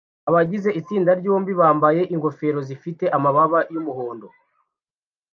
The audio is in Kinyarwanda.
Abagize itsinda ryombi bambaye ingofero zifite amababa yumuhondo